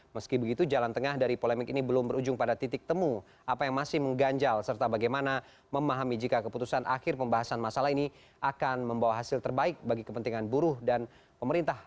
meski begitu jalan tengah dari polemik ini belum berujung pada titik temu apa yang masih mengganjal serta bagaimana memahami jika keputusan akhir pembahasan masalah ini akan membawa hasil terbaik bagi kepentingan buruh dan pemerintah